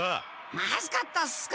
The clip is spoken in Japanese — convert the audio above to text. まずかったっすか？